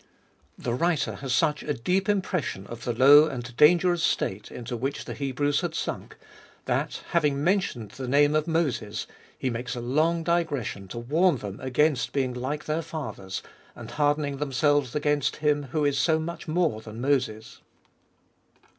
THE writer has such a deep impression of the low and dangerous state into which the Hebrews had sunk, that, having mentioned the name of Moses, he makes a long digression to warn them against being like their fathers and hardening them selves against Him who is so much more than Moses.